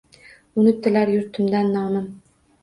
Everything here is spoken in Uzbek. Unitilar yurtimda nomim.